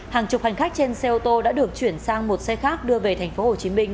hàng chục hành khách trên xe ô tô đã được chuyển sang một xe khác đưa về thành phố hồ chí minh